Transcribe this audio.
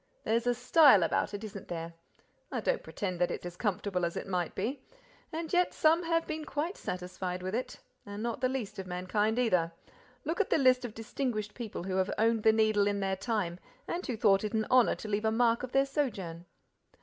"There's a style about it, isn't there? I don't pretend that it's as comfortable as it might be. And yet, some have been quite satisfied with it; and not the least of mankind, either!—Look at the list of distinguished people who have owned the Needle in their time and who thought it an honor to leave a mark of their sojourn."